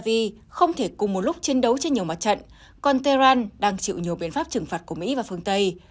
iran đang chiến đấu trên nhiều mặt trận còn tehran đang chịu nhiều biện pháp trừng phạt của mỹ và phương tây